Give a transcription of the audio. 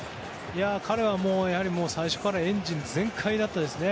彼は最初からエンジン全開でしたね。